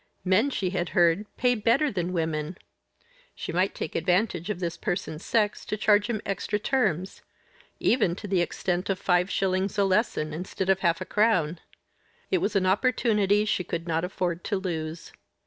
Men, she had heard, pay better than women. She might take advantage of this person's sex to charge him extra terms even to the extent of five shillings a lesson instead of half a crown. It was an opportunity she could not afford to lose.